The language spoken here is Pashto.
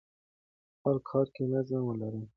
په خپل کار کې نظم ولرئ.